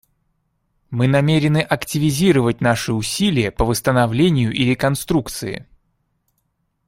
Мы намерены активизировать наши усилия по восстановлению и реконструкции.